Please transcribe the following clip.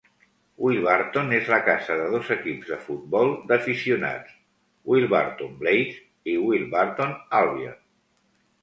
Wilburton és la casa de dos equips de futbol d'aficionats, Wilburton Blades i Wilburton Albion.